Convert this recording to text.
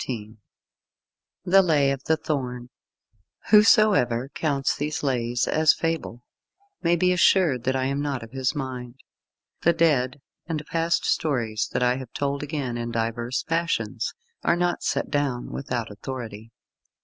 XIV THE LAY OF THE THORN Whosoever counts these Lays as fable, may be assured that I am not of his mind. The dead and past stories that I have told again in divers fashions, are not set down without authority.